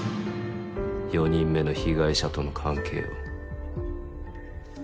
４人目の被害者との関係を。